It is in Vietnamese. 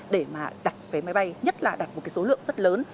để mà đặt với máy bay nhất là đặt một số lượng rất lớn